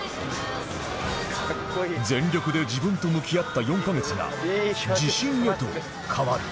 全力で自分と向き合った４カ月が自信へと変わる